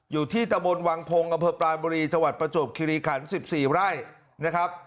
อยู่ที่ตะบนวังพงศ์อำเภอปลายบุรีจังหวัดประจวบคิริขัน๑๔ไร่นะครับ